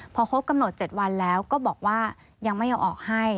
พอครบกำหนด๗วันแล้วก็บอกว่ายังไม่ยอมออกให้